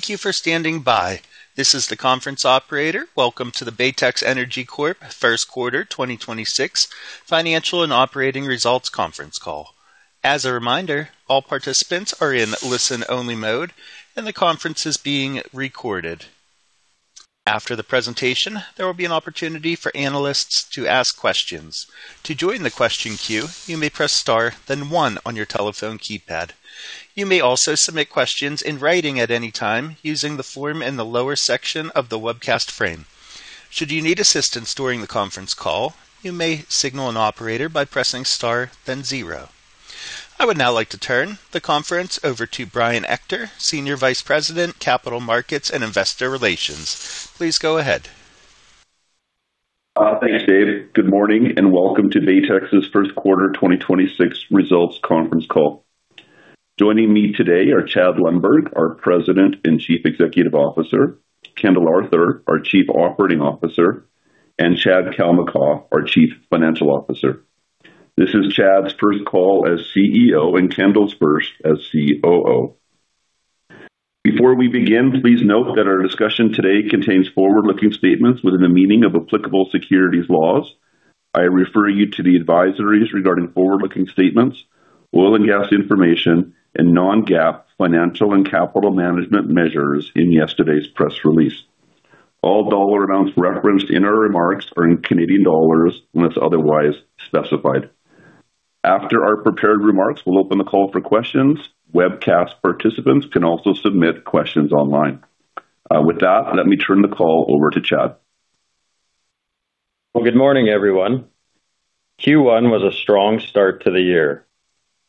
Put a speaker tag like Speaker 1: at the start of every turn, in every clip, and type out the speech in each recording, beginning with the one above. Speaker 1: Thank you for standing by. This is the conference operator. Welcome to the Baytex Energy Corp first quarter 2026 financial and operating results conference call. As a reminder, all participants are in listen-only mode, and the conference is being recorded. After the presentation, there will be an opportunity for analysts to ask questions. To join the question queue, you may press star then one on your telephone keypad. You may also submit questions in writing at any time using the form in the lower section of the webcast frame. Should you need assistance during the conference call, you may signal an operator by pressing star then zero. I would now like to turn the conference over to Brian Ector, Senior Vice President, Capital Markets and Investor Relations. Please go ahead.
Speaker 2: Thanks, Dave. Good morning and welcome to Baytex's first quarter 2026 results conference call. Joining me today are Chad Lundberg, our President and Chief Executive Officer, Kendall Arthur, our Chief Operating Officer, and Chad Kalmakoff, our Chief Financial Officer. This is Chad's first call as CEO and Kendall's first as COO. Before we begin, please note that our discussion today contains forward-looking statements within the meaning of applicable securities laws. I refer you to the advisories regarding forward-looking statements, oil and gas information, and non-GAAP financial and capital management measures in yesterday's press release. All dollar amounts referenced in our remarks are in Canadian dollars unless otherwise specified. After our prepared remarks, we'll open the call for questions. Webcast participants can also submit questions online. With that, let me turn the call over to Chad.
Speaker 3: Well, good morning, everyone. Q1 was a strong start to the year.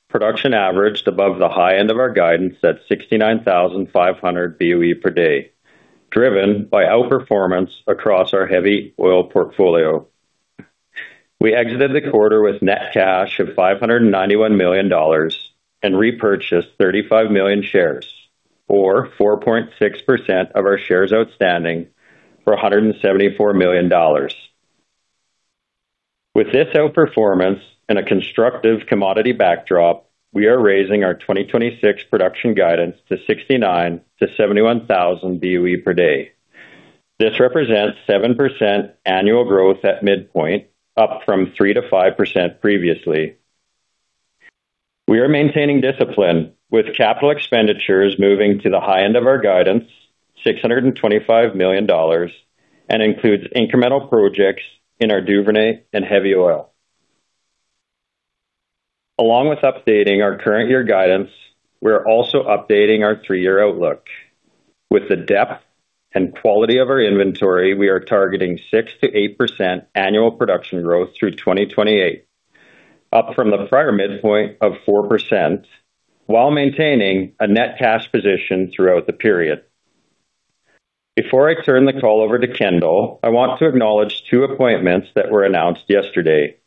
Speaker 3: Production averaged above the high end of our guidance at 69,500 BOE per day, driven by outperformance across our heavy oil portfolio. We exited the quarter with net cash of 591 million dollars and repurchased 35 million shares or 4.6% of our shares outstanding for 174 million dollars. With this outperformance and a constructive commodity backdrop, we are raising our 2026 production guidance to 69,000-71,000 BOE per day. This represents 7% annual growth at midpoint, up from 3%-5% previously. We are maintaining discipline with capital expenditures moving to the high end of our guidance, 625 million dollars, and includes incremental projects in our Duvernay and heavy oil. Along with updating our current year guidance, we are also updating our three-year outlook. With the depth and quality of our inventory, we are targeting 6%-8% annual production growth through 2028, up from the prior midpoint of 4% while maintaining a net cash position throughout the period. Before I turn the call over to Kendall, I want to acknowledge two appointments that were announced yesterday.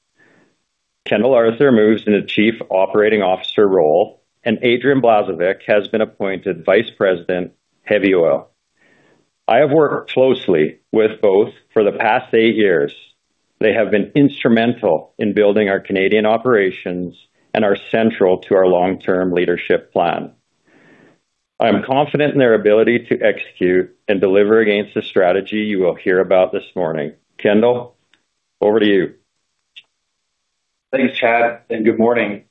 Speaker 3: Kendall Arthur moves into Chief Operating Officer role, and Adrian Blazevic has been appointed Vice President, heavy oil. I have worked closely with both for the past eight years. They have been instrumental in building our Canadian operations and are central to our long-term leadership plan. I am confident in their ability to execute and deliver against the strategy you will hear about this morning. Kendall, over to you.
Speaker 4: Thanks, Chad, good morning.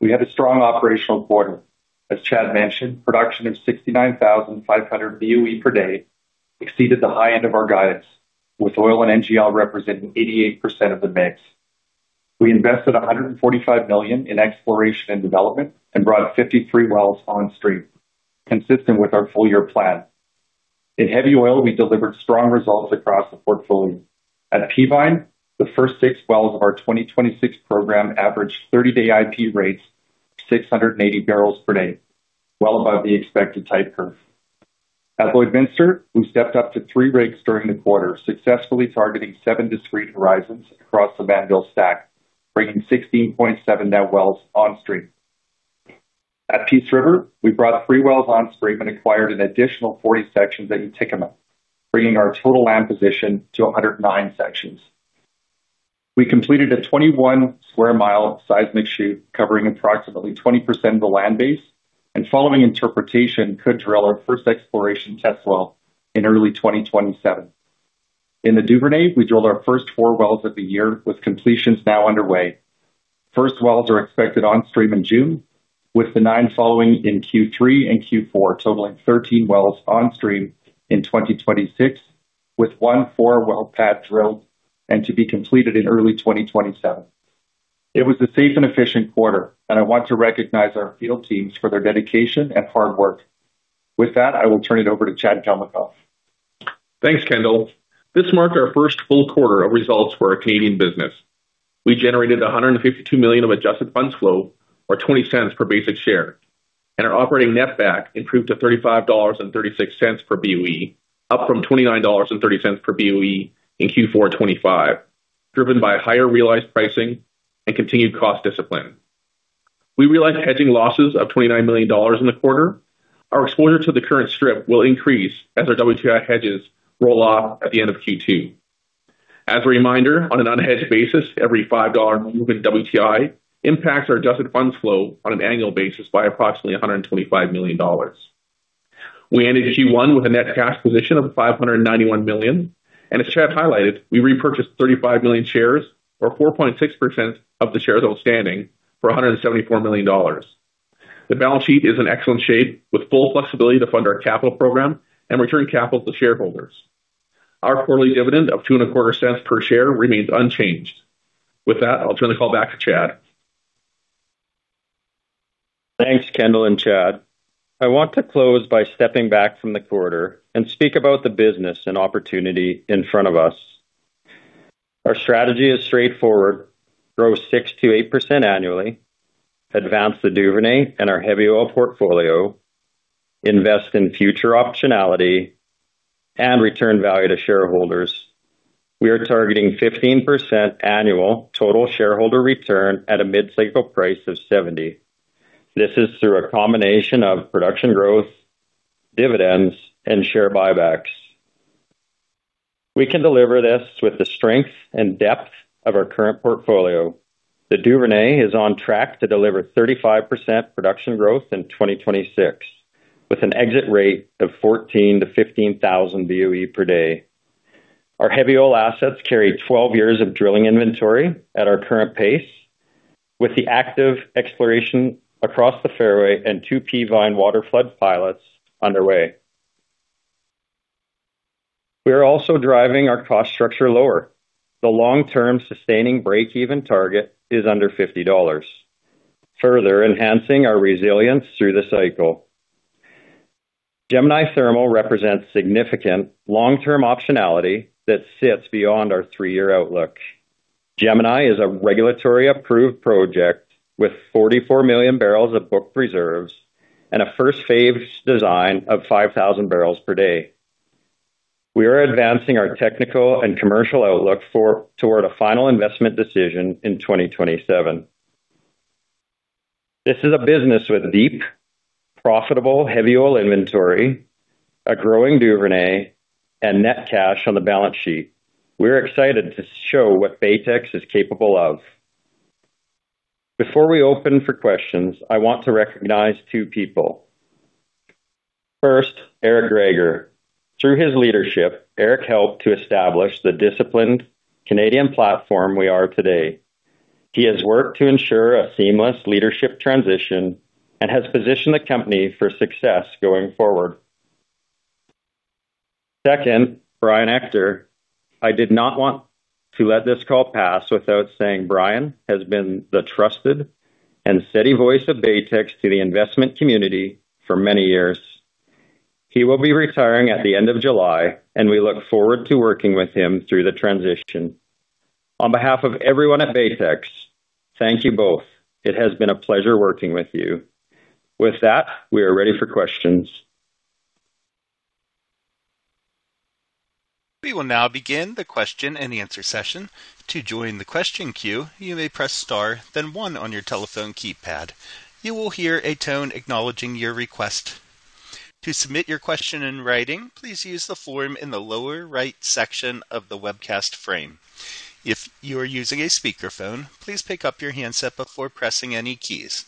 Speaker 4: We had a strong operational quarter. As Chad mentioned, production of 69,500 BOE per day exceeded the high end of our guidance, with oil and NGL representing 88% of the mix. We invested 145 million in exploration and development and brought 53 wells on stream, consistent with our full-year plan. In Heavy Oil, we delivered strong results across the portfolio. At Peavine, the first six wells of our 2026 program averaged 30-day IP rates, 680 barrels per day, well above the expected type curve. At Lloydminster, we stepped up to three rigs during the quarter, successfully targeting 7 discrete horizons across the Mannville stack, bringing 16.7 net wells on stream. At Peace River, we brought three wells on stream and acquired an additional 40 sections at Utikuma, bringing our total land position to 109 sections. We completed a 21 sq mi seismic shoot covering approximately 20% of the land base, and following interpretation could drill our first exploration test well in early 2027. In the Duvernay, we drilled our first four wells of the year, with completions now underway. First wells are expected on stream in June, with the nine following in Q3 and Q4, totaling 13 wells on stream in 2026, with 1 4-well pad drilled and to be completed in early 2027. It was a safe and efficient quarter, and I want to recognize our field teams for their dedication and hard work. With that, I will turn it over to Chad Kalmakoff.
Speaker 5: Thanks, Kendall. This marked our first full quarter of results for our Canadian business. We generated 152 million of adjusted funds flow or 0.20 per basic share. Our operating netback improved to 35.36 dollars per BOE, up from 29.30 dollars per BOE in Q4 2025, driven by higher realized pricing and continued cost discipline. We realized hedging losses of 29 million dollars in the quarter. Our exposure to the current strip will increase as our WTI hedges roll off at the end of Q2. As a reminder, on an unhedged basis, every $5 movement WTI impacts our adjusted funds flow on an annual basis by approximately $125 million. We ended Q1 with a net cash position of 591 million. As Chad highlighted, we repurchased 35 million shares or 4.6% of the shares outstanding for 174 million dollars. The balance sheet is in excellent shape with full flexibility to fund our capital program and return capital to shareholders. Our quarterly dividend of 0.0225 per share remains unchanged. With that, I'll turn the call back to Chad.
Speaker 3: Thanks, Kendall and Chad. I want to close by stepping back from the quarter and speak about the business and opportunity in front of us. Our strategy is straightforward. Grow 6%-8% annually. Advance the Duvernay and our heavy oil portfolio. Invest in future optionality and return value to shareholders. We are targeting 15% annual total shareholder return at a mid-cycle price of 70. This is through a combination of production growth, dividends, and share buybacks. We can deliver this with the strength and depth of our current portfolio. The Duvernay is on track to deliver 35% production growth in 2026, with an exit rate of 14,000-15,000 BOE per day. Our heavy oil assets carry 12 years of drilling inventory at our current pace with the active exploration across the Fairway and two Peavine waterflood pilots underway. We are also driving our cost structure lower. The long-term sustaining breakeven target is under 50 dollars, further enhancing our resilience through the cycle. Gemini Thermal represents significant long-term optionality that sits beyond our three-year outlook. Gemini is a regulatory approved project with 44 million barrels of booked reserves and a first phase design of 5,000 barrels per day. We are advancing our technical and commercial outlook toward a Final Investment Decision in 2027. This is a business with deep, profitable heavy oil inventory, a growing Duvernay, and net cash on the balance sheet. We're excited to show what Baytex is capable of. Before we open for questions, I want to recognize two people. First, Eric Greager. Through his leadership, Eric helped to establish the disciplined Canadian platform we are today. He has worked to ensure a seamless leadership transition and has positioned the company for success going forward. Second, Brian Ector. I did not want to let this call pass without saying Brian has been the trusted and steady voice of Baytex to the investment community for many years. He will be retiring at the end of July, and we look forward to working with him through the transition. On behalf of everyone at Baytex, thank you both. It has been a pleasure working with you. With that, we are ready for questions.
Speaker 1: We will now begin the question-and-answer session. To join the question queue, you may press star then one on your telephone keypad. You will hear a tone acknowledging your request. To submit your question in writing, please use the form in the lower right section of the webcast frame. If you are using a speakerphone, please pick up your handset before pressing any keys.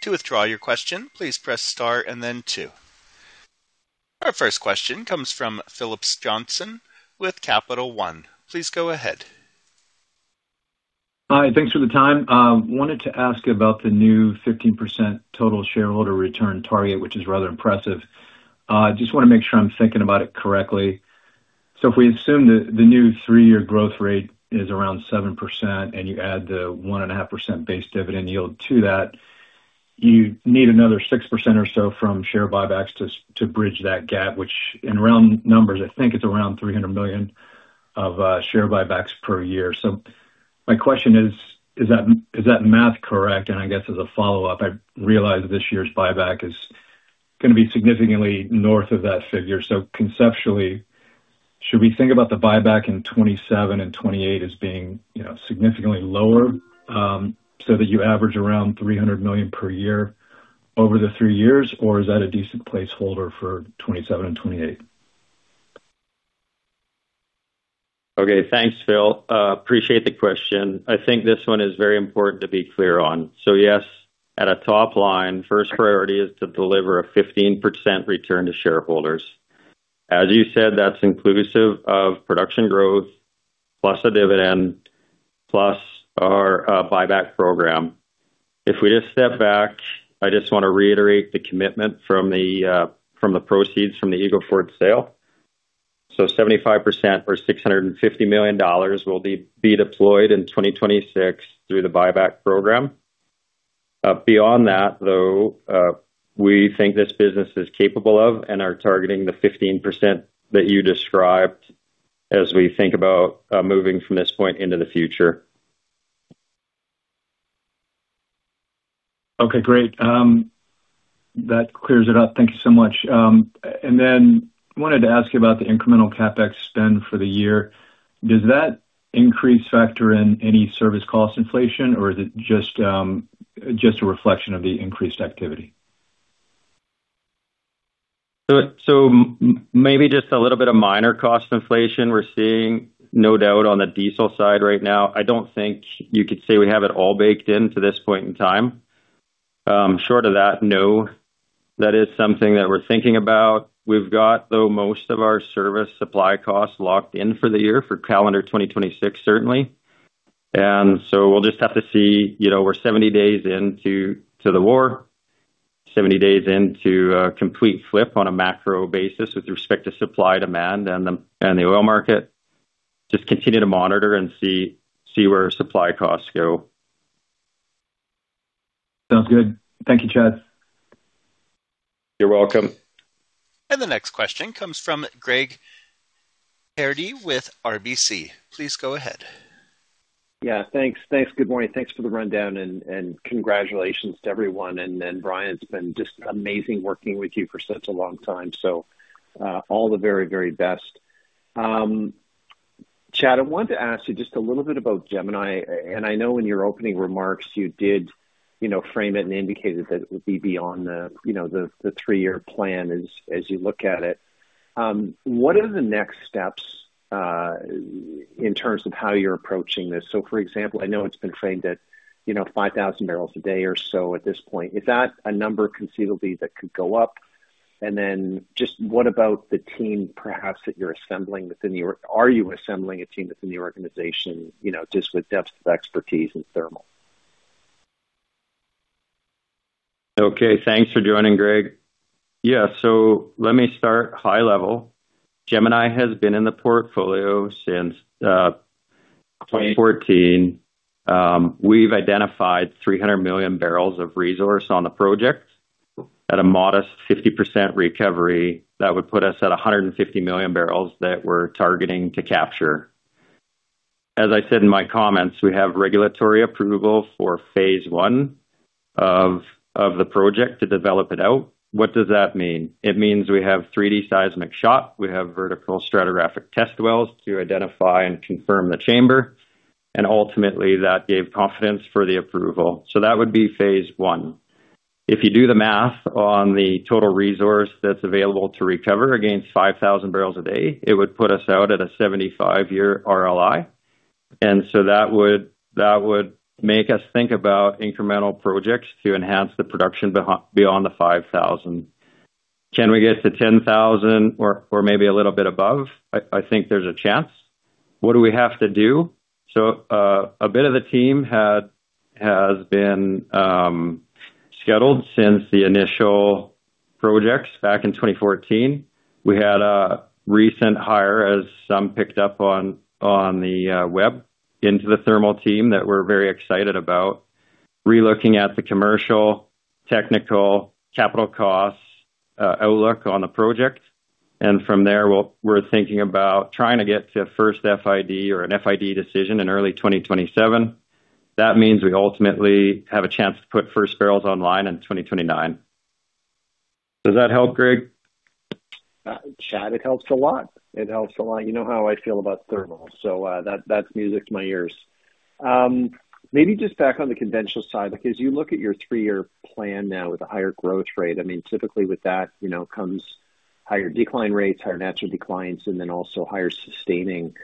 Speaker 1: To withdraw your question, please press star and then two. Our first question comes from Phillips Johnston with Capital One. Please go ahead.
Speaker 6: Hi, thanks for the time. Wanted to ask about the new 15% total shareholder return target, which is rather impressive. Just want to make sure I'm thinking about it correctly. If we assume that the new three-year growth rate is around 7% and you add the 1.5% base dividend yield to that, you need another 6% or so from share buybacks to bridge that gap, which in round numbers, I think it's around 300 million of share buybacks per year. My question is that math correct? I guess as a follow-up, I realize this year's buyback is gonna be significantly north of that figure. Conceptually, should we think about the buyback in 2027 and 2028 as being, you know, significantly lower, so that you average around 300 million per year over the three years? Is that a decent placeholder for 2027 and 2028?
Speaker 3: Okay. Thanks, Phil. Appreciate the question. I think this one is very important to be clear on. Yes, at a top line, first priority is to deliver a 15% return to shareholders. As you said, that's inclusive of production growth, plus a dividend, plus our buyback program. If we just step back, I just wanna reiterate the commitment from the proceeds from the Eagle Ford sale. 75% or 650 million dollars will be deployed in 2026 through the buyback program. Beyond that, though, we think this business is capable of and are targeting the 15% that you described as we think about moving from this point into the future.
Speaker 6: Okay, great. That clears it up. Thank you so much. Wanted to ask you about the incremental CapEx spend for the year. Does that increase factor in any service cost inflation, or is it just a reflection of the increased activity? Maybe just a little bit of minor cost inflation we're seeing no doubt on the diesel side right now. I don't think you could say we have it all baked in to this point in time. Short of that, no, that is something that we're thinking about. We've got, though, most of our service supply costs locked in for the year, for calendar 2026, certainly. We'll just have to see. You know, we're 70 days into the war, 70 days into a complete flip on a macro basis with respect to supply-demand and the oil market. Just continue to monitor and see where supply costs go. Sounds good. Thank you, Chad.
Speaker 3: You're welcome.
Speaker 1: The next question comes from Greg Pardy with RBC. Please go ahead.
Speaker 7: Thanks. Thanks. Good morning. Thanks for the rundown and congratulations to everyone. Brian, it's been just amazing working with you for such a long time. All the very, very best. Chad, I wanted to ask you just a little bit about Gemini, and I know in your opening remarks you did, you know, frame it and indicated that it would be beyond the, you know, the three-year plan as you look at it. What are the next steps in terms of how you're approaching this? For example, I know it's been framed at, you know, 5,000 barrels a day or so at this point. Is that a number conceivably that could go up? Are you assembling a team within the organization, you know, just with depth of expertise in thermal?
Speaker 3: Thanks for joining, Greg. Let me start high level. Gemini has been in the portfolio since 2014. We've identified 300 million barrels of resource on the project at a modest 50% recovery that would put us at 150 million barrels that we're targeting to capture. As I said in my comments, we have regulatory approval for phase 1 of the project to develop it out. What does that mean? It means we have 3D seismic shot. We have vertical stratigraphic test wells to identify and confirm the chamber, and ultimately that gave confidence for the approval. That would be Phase 1. If you do the math on the total resource that's available to recover against 5,000 barrels a day, it would put us out at a 75-year RLI. That would, that would make us think about incremental projects to enhance the production beyond the 5,000. Can we get to 10,000 or maybe a little bit above? I think there's a chance. What do we have to do? A bit of the team has been scheduled since the initial projects back in 2014. We had a recent hire, as some picked up on the web into the thermal team that we're very excited about re-looking at the commercial, technical, capital costs, outlook on the project. From there, we're thinking about trying to get to first FID or an FID decision in early 2027. That means we ultimately have a chance to put first barrels online in 2029. Does that help, Greg?
Speaker 7: Chad, it helps a lot. It helps a lot. You know how I feel about thermal, so that's music to my ears. Maybe just back on the conventional side, as you look at your three-year plan now with a higher growth rate, typically with that, you know, comes higher decline rates, higher natural declines, and then also higher sustaining.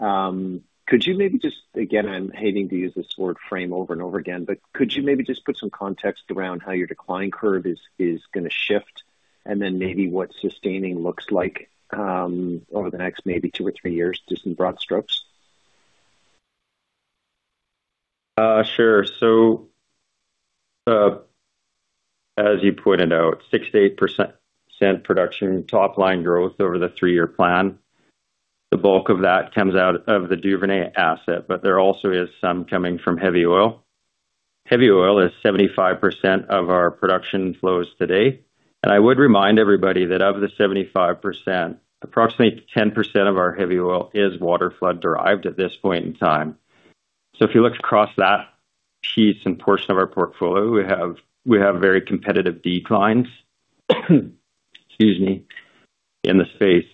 Speaker 7: Could you maybe just again, I'm hating to use this word frame over and over again, but could you maybe just put some context around how your decline curve is going to shift and then maybe what sustaining looks like over the next maybe two or three years, just in broad strokes?
Speaker 3: Sure. As you pointed out, 6%-8% production top line growth over the three-year plan. The bulk of that comes out of the Duvernay asset, but there also is some coming from heavy oil. Heavy oil is 75% of our production flows today. I would remind everybody that of the 75%, approximately 10% of our heavy oil is water flood derived at this point in time. If you look across that piece and portion of our portfolio, we have very competitive declines, excuse me, in the space.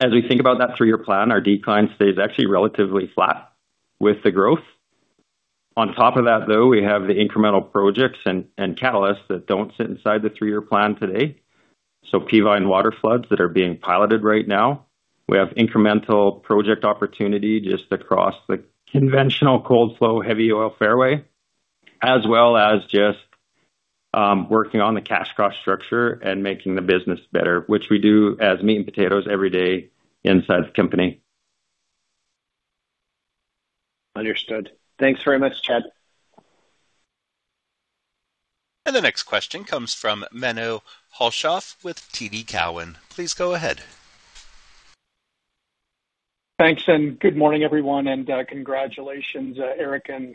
Speaker 3: As we think about that three-year plan, our decline stays actually relatively flat with the growth. On top of that, though, we have the incremental projects and catalysts that don't sit inside the three-year plan today. Peavine water floods that are being piloted right now. We have incremental project opportunity just across the conventional cold heavy oil production fairway, as well as just, working on the cash cost structure and making the business better, which we do as meat and potatoes every day inside the company.
Speaker 7: Understood. Thanks very much, Chad.
Speaker 1: The next question comes from Menno Hulshof with TD Cowen. Please go ahead.
Speaker 8: Thanks, and good morning, everyone, and congratulations, Eric Greager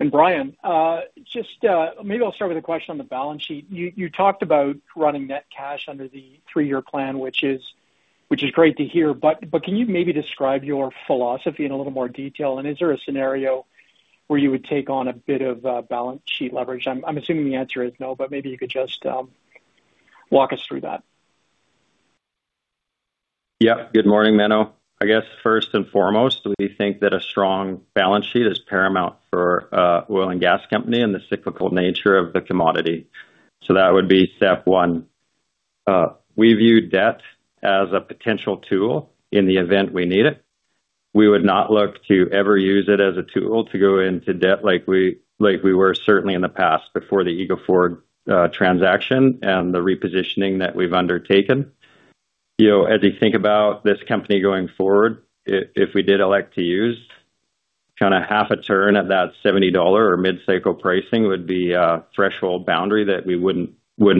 Speaker 8: and Brian Ector. Just, maybe I'll start with a question on the balance sheet. You talked about running net cash under the three-year plan, which is great to hear, but can you maybe describe your philosophy in a little more detail? Is there a scenario where you would take on a bit of balance sheet leverage? I'm assuming the answer is no, but maybe you could just walk us through that.
Speaker 3: Good morning, Menno. I guess first and foremost, we think that a strong balance sheet is paramount for oil and gas company and the cyclical nature of the commodity. That would be step one. We view debt as a potential tool in the event we need it. We would not look to ever use it as a tool to go into debt like we were certainly in the past before the Eagle Ford transaction and the repositioning that we've undertaken. You know, as you think about this company going forward, if we did elect to use kinda half a turn at that 70 dollar or mid-cycle pricing would be a threshold boundary that we wouldn't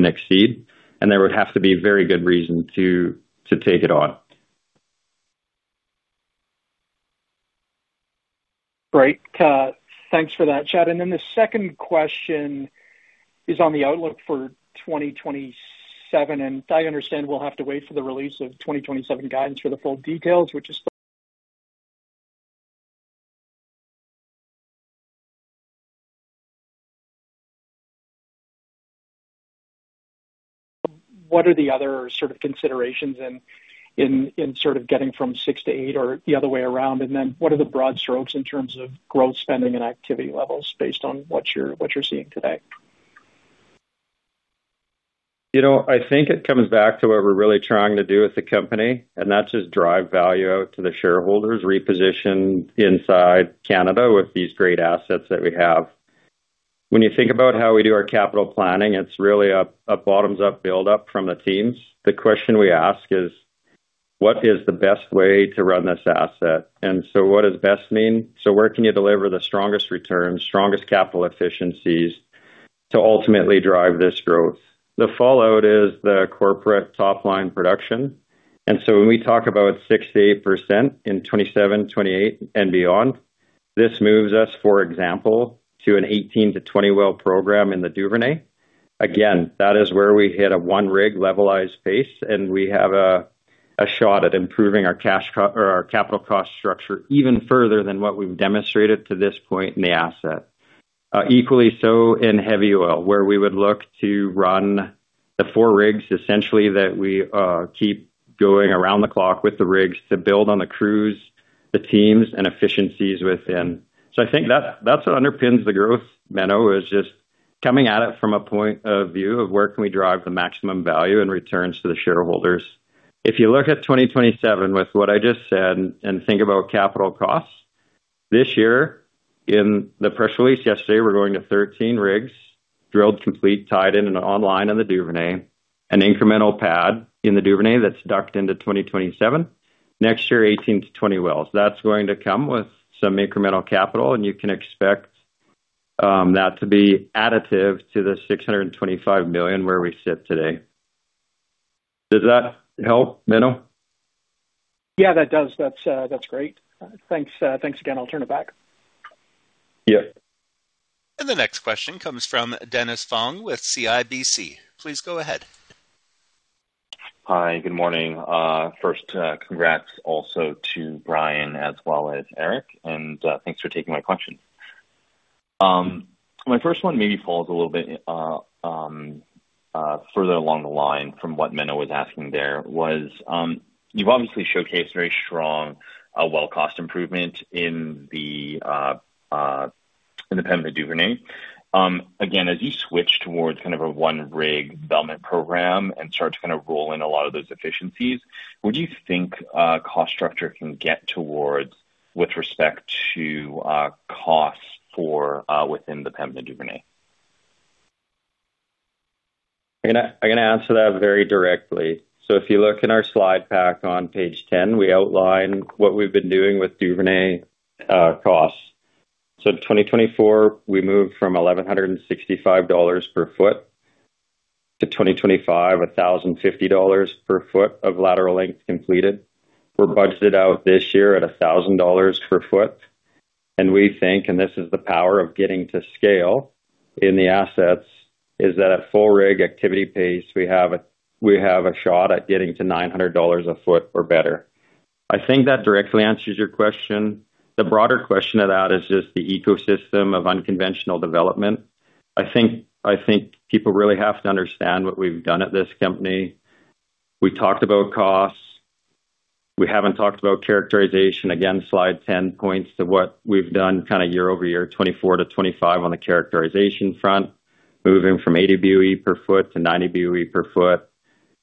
Speaker 3: exceed, and there would have to be very good reason to take it on.
Speaker 8: Great. Thanks for that, Chad. The second question is on the outlook for 2027. I understand we'll have to wait for the release of 2027 guidance for the full details. What are the other sort of considerations in sort of getting from six to eight or the other way around? What are the broad strokes in terms of growth spending and activity levels based on what you're, what you're seeing today?
Speaker 3: You know, I think it comes back to what we're really trying to do with the company, and that's just drive value out to the shareholders, reposition inside Canada with these great assets that we have. When you think about how we do our capital planning, it's really a bottoms up build up from the teams. The question we ask is what is the best way to run this asset? What does best mean? Where can you deliver the strongest returns, strongest capital efficiencies to ultimately drive this growth? The fallout is the corporate top line production. When we talk about 68% in 2027, 2028 and beyond, this moves us, for example, to an 18-20 well program in the Duvernay. That is where we hit a 1-rig levelized pace, and we have a shot at improving our capital cost structure even further than what we've demonstrated to this point in the asset. Equally so in heavy oil, where we would look to run the 4 rigs essentially that we keep going around the clock with the rigs to build on the crews, the teams, and efficiencies within. I think that's what underpins the growth, Menno, is just coming at it from a point of view of where can we drive the maximum value and returns to the shareholders. If you look at 2027 with what I just said and think about capital costs, this year in the press release yesterday, we're going to 13 rigs drilled, complete, tied in an online on the Duvernay, an incremental pad in the Duvernay that's docked into 2027. Next year, 18-20 wells. That's going to come with some incremental capital, and you can expect that to be additive to the 625 million where we sit today. Does that help, Menno?
Speaker 8: Yeah, that does. That's great. Thanks. Thanks again. I'll turn it back.
Speaker 3: Yeah.
Speaker 1: The next question comes from Dennis Fong with CIBC. Please go ahead.
Speaker 9: Hi. Good morning. First, congrats also to Brian as well as Eric, and thanks for taking my question. My first one maybe falls a little bit further along the line from what Menno was asking there was. You've obviously showcased very strong well cost improvement in the Pembina Duvernay. Again, as you switch towards kind of a 1-rig development program and start to kind of roll in a lot of those efficiencies, would you think cost structure can get towards with respect to costs for within the Pembina Duvernay?
Speaker 3: I'm gonna answer that very directly. If you look in our slide pack on Page 10, we outline what we've been doing with Duvernay costs. In 2024, we moved from 1,165 dollars per foot to 2025, 1,050 dollars per foot of lateral length completed. We're budgeted out this year at 1,000 dollars per foot. We think, and this is the power of getting to scale in the assets, is that at full rig activity pace, we have a shot at getting to 900 dollars a foot or better. I think that directly answers your question. The broader question of that is just the ecosystem of unconventional development. I think people really have to understand what we've done at this company. We talked about costs. We haven't talked about characterization. Again, slide 10 points to what we've done kinda year over year, 2024 to 2025 on the characterization front, moving from 80 BOE per foot to 90 BOE per foot.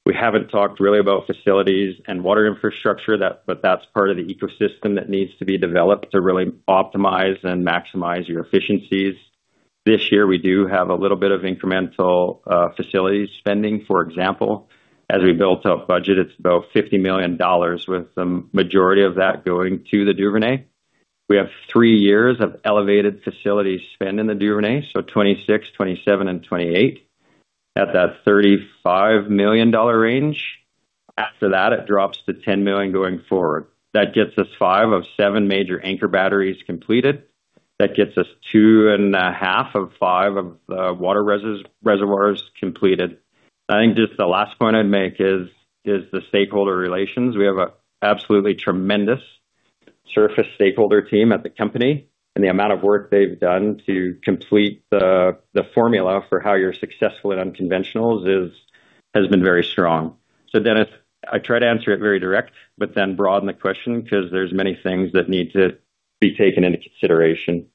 Speaker 3: We haven't talked really about facilities and water infrastructure, but that's part of the ecosystem that needs to be developed to really optimize and maximize your efficiencies. This year, we do have a little bit of incremental facilities spending. For example, as we built our budget, it's about 50 million dollars, with the majority of that going to the Duvernay. We have three years of elevated facility spend in the Duvernay, so 2026, 2027 and 2028 at that 35 million dollar range. After that, it drops to 10 million going forward. That gets us five of seven major anchor batteries completed. That gets us 2.5 of five of water reservoirs completed. I think just the last point I'd make is the stakeholder relations. We have an absolutely tremendous surface stakeholder team at the company and the amount of work they've done to complete the formula for how you're successful in unconventionals has been very strong. Dennis, I try to answer it very direct, broaden the question because there's many things that need to be taken into consideration.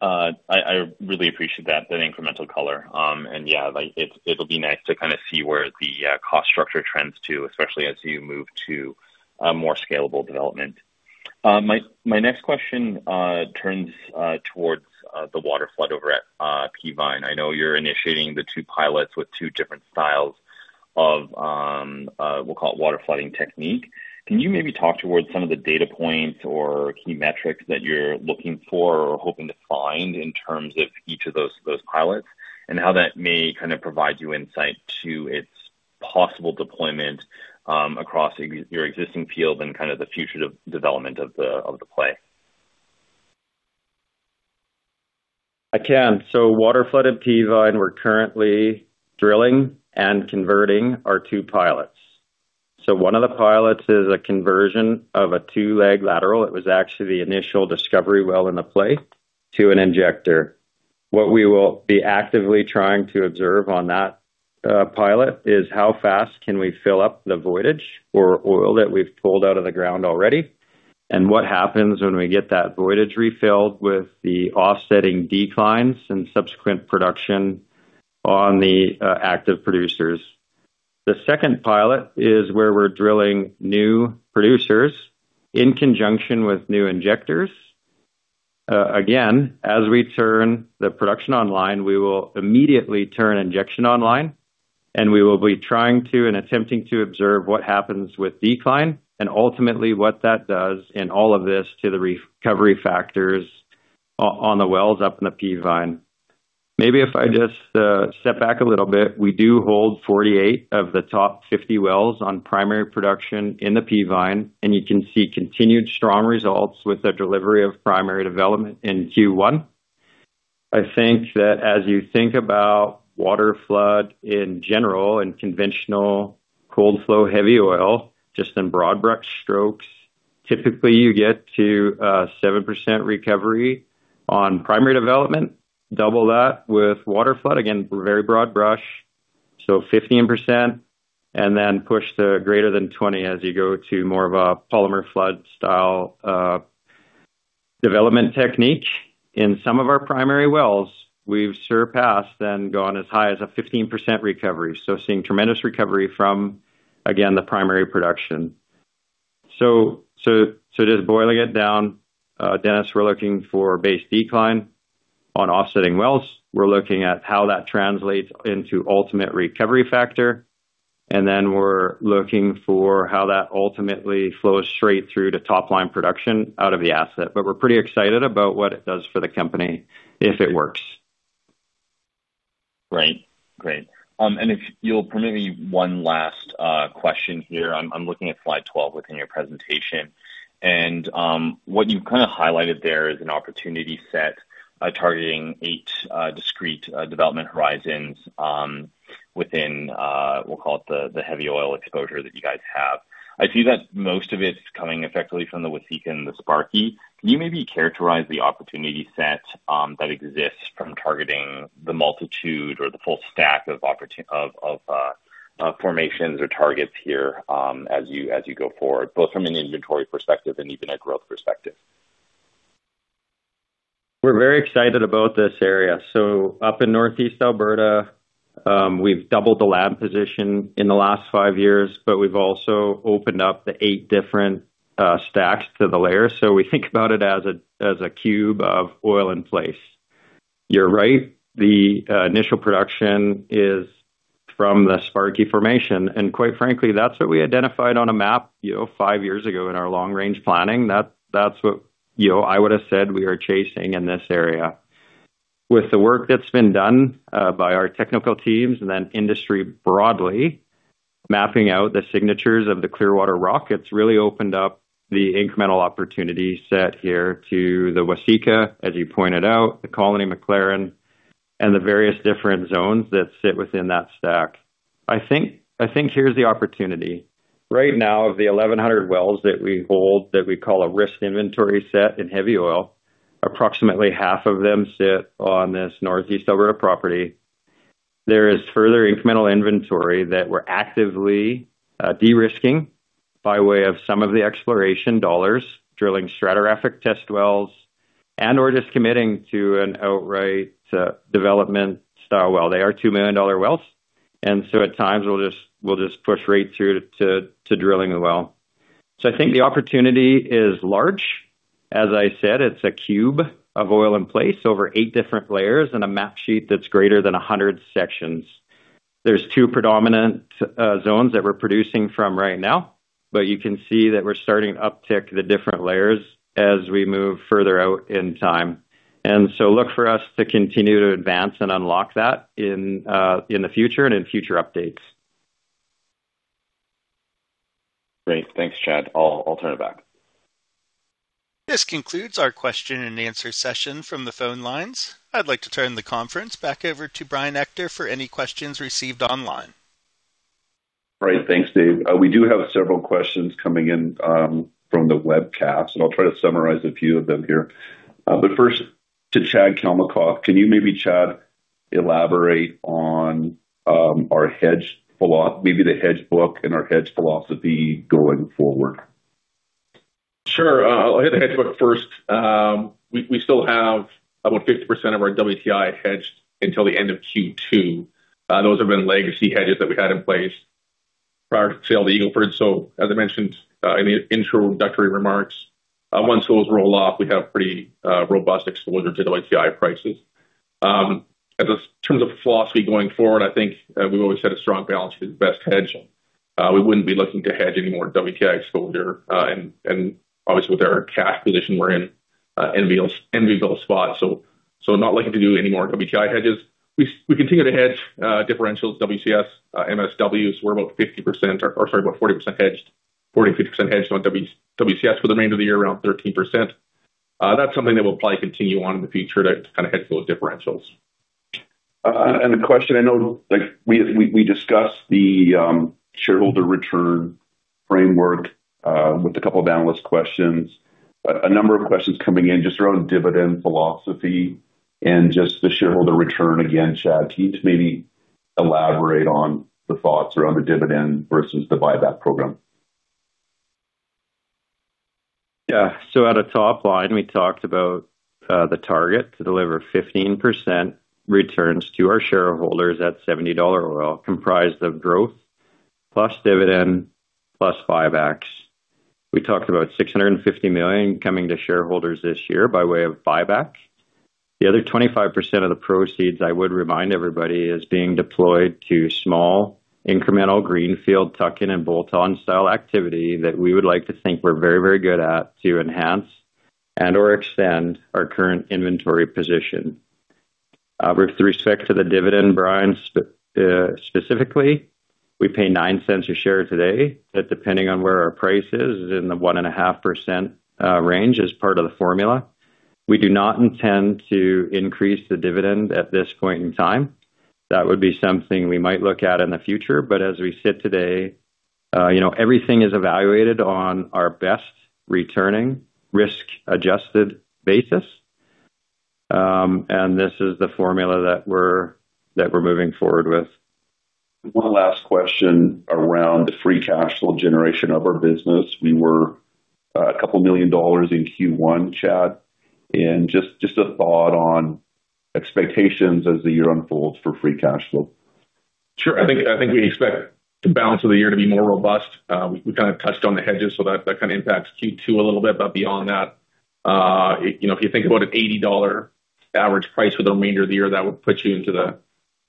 Speaker 9: I really appreciate that incremental color. Yeah, like it'll be nice to kind of see where the cost structure trends to, especially as you move to a more scalable development. My next question turns towards the waterflood over at Peavine. I know you're initiating the two pilots with two different styles of, we'll call it waterflooding technique. Can you maybe talk towards some of the data points or key metrics that you're looking for or hoping to find in terms of each of those pilots and how that may kind of provide you insight to its possible deployment across your existing fields and kind of the future development of the play?
Speaker 3: I can. Waterflood at Peavine, we're currently drilling and converting our two pilots. One of the pilots is a conversion of a two-leg lateral. It was actually the initial discovery well in the play to an injector. What we will be actively trying to observe on that pilot is how fast can we fill up the voidage or oil that we've pulled out of the ground already, and what happens when we get that voidage refilled with the offsetting declines and subsequent production on the active producers. The second pilot is where we're drilling new producers in conjunction with new injectors. Again, as we turn the production online, we will immediately turn injection online, and we will be trying to and attempting to observe what happens with decline. Ultimately, what that does in all of this to the recovery factors on the wells up in the Peavine. Maybe if I just step back a little bit, we do hold 48 of the top 50 wells on primary production in the Peavine, and you can see continued strong results with the delivery of primary development in Q1. I think that as you think about waterflood in general and conventional cold heavy oil production, just in broad strokes, typically you get to 7% recovery on primary development. Double that with waterflood, again, very broad brush, so 15%, and then push to greater than 20% as you go to more of a polymer flood style development technique. In some of our primary wells, we've surpassed and gone as high as a 15% recovery. Seeing tremendous recovery from, again, the primary production. Just boiling it down, Dennis, we're looking for base decline on offsetting wells. We're looking at how that translates into ultimate recovery factor, we're looking for how that ultimately flows straight through to top-line production out of the asset. We're pretty excited about what it does for the company if it works.
Speaker 9: Great. Great. If you'll permit me one last question here. I'm looking at Slide 12 within your presentation, what you've kinda highlighted there is an opportunity set targeting eight discrete development horizons within, we'll call it the heavy oil exposure that you guys have. I see that most of it's coming effectively from the Waseca and the Sparky. Can you maybe characterize the opportunity set that exists from targeting the multitude or the full stack of formations or targets here as you go forward, both from an inventory perspective and even a growth perspective?
Speaker 3: We're very excited about this area. Up in Northeast Alberta, we've doubled the land position in the last five years, but we've also opened up the 8 different stacks to the layer. We think about it as a cube of oil in place. You're right, the initial production is from the Sparky Formation. Quite frankly, that's what we identified on a map, you know, five years ago in our long-range planning. That's what, you know, I would have said we are chasing in this area. With the work that's been done by our technical teams and then industry broadly, mapping out the signatures of the Clearwater rock, it's really opened up the incremental opportunity set here to the Waseca, as you pointed out, the Colony McLaren, and the various different zones that sit within that stack. I think here's the opportunity. Right now of the 1,100 wells that we hold that we call a risked inventory set in heavy oil, approximately half of them sit on this Northeast Alberta property. There is further incremental inventory that we're actively de-risking by way of some of the exploration dollars, drilling stratigraphic test wells, and/or just committing to an outright development style well. They are 2 million dollar wells, at times we'll just push right through to drilling the well. I think the opportunity is large. As I said, it's a cube of oil in place over eight different layers in a map sheet that's greater than 100 sections. There's 2 predominant zones that we're producing from right now, but you can see that we're starting to uptick the different layers as we move further out in time. Look for us to continue to advance and unlock that in the future and in future updates.
Speaker 9: Great. Thanks, Chad. I'll turn it back.
Speaker 1: This concludes our question-and-answer session from the phone lines. I'd like to turn the conference back over to Brian Ector for any questions received online.
Speaker 2: Great. Thanks, Dave. We do have several questions coming in from the webcast. I'll try to summarize a few of them here. First to Chad Kalmakoff. Can you maybe, Chad, elaborate on maybe the hedge book and our hedge philosophy going forward?
Speaker 5: Sure. I'll hit the hedge book first. We still have about 50% of our WTI hedged until the end of Q2. Those have been legacy hedges that we had in place prior to the sale of the Eagle Ford. As I mentioned, in the introductory remarks, once those roll off, we have pretty robust exposure to the WTI prices. In terms of philosophy going forward, I think, we've always had a strong balance for the best hedging. We wouldn't be looking to hedge any more WTI exposure. Obviously with our cash position we're in an enviable spot. Not looking to do any more WTI hedges. We continue to hedge differentials WCS, MSW. We're about 50% or sorry, about 40% hedged. 40%-50% hedged on WCS for the remainder of the year, around 13%. That's something that we'll probably continue on in the future to kinda hedge those differentials.
Speaker 2: A question I know, like we discussed the shareholder return framework with a couple of analyst questions. A number of questions coming in just around dividend philosophy and just the shareholder return. Again, Chad, can you maybe elaborate on the thoughts around the dividend versus the buyback program?
Speaker 3: At a top line, we talked about the target to deliver 15% returns to our shareholders at 70 dollar oil, comprised of growth plus dividend plus buybacks. We talked about 650 million coming to shareholders this year by way of buyback. The other 25% of the proceeds, I would remind everybody, is being deployed to small incremental greenfield tuck-in and bolt-on style activity that we would like to think we're very, very good at to enhance and/or extend our current inventory position. With respect to the dividend, Brian, specifically, we pay 0.09 a share today. That, depending on where our price is in the 1.5% range, is part of the formula. We do not intend to increase the dividend at this point in time. That would be something we might look at in the future, but as we sit today, you know, everything is evaluated on our best returning risk-adjusted basis. This is the formula that we're moving forward with.
Speaker 2: One last question around the free cash flow generation of our business. We were a couple million dollars in Q1, Chad, just a thought on expectations as the year unfolds for free cash flow.
Speaker 5: Sure. I think we expect the balance of the year to be more robust. We kinda touched on the hedges so that kinda impacts Q2 a little bit. Beyond that, you know, if you think about a 80 dollar average price for the remainder of the year, that would put you into the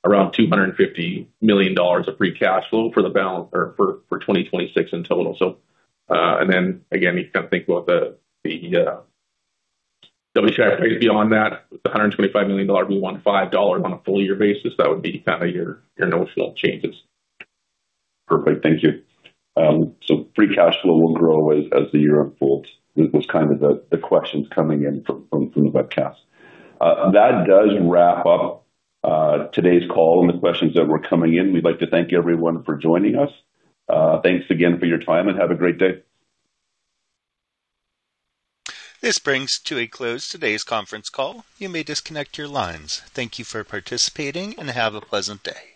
Speaker 5: around 250 million dollars of free cash flow for the balance or for 2026 in total. Again, you can think about the WTI price beyond that. The $125 million, we want $5 on a full year basis. That would be kinda your notional changes.
Speaker 2: Perfect. Thank you. Free cash flow will grow as the year unfolds. This was kind of the questions coming in from the webcast. That does wrap up today's call and the questions that were coming in. We'd like to thank everyone for joining us. Thanks again for your time and have a great day.
Speaker 1: This brings to a close today's conference call. You may disconnect your lines. Thank you for participating and have a pleasant day.